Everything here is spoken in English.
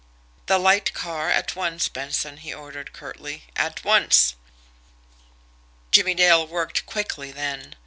"The light car at once, Benson," he ordered curtly. "At once!" Jimmie Dale worked quickly then.